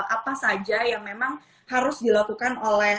apa saja yang memang harus dilakukan oleh